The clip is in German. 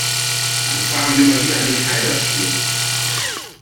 Wann fahren wir mal wieder an den Kaiserstuhl?